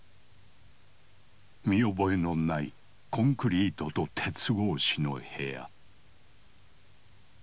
見覚えのないコンクリートと鉄格子の部屋。